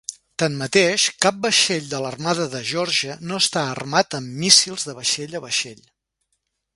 Tanmateix, cap vaixell de l'armada de Geòrgia no està armat amb míssils de vaixell a vaixell.